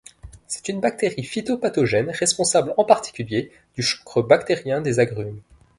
C'est une bactérie phytopathogène, responsable en particulier du chancre bactérien des agrumes.